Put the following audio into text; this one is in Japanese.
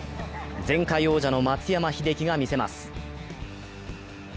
前回王者の松山英樹が見せます。